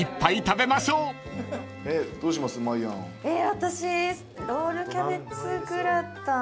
私ロールキャベツグラタン